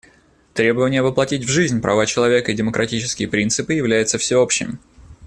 Требование воплотить в жизнь права человека и демократические принципы является всеобщим.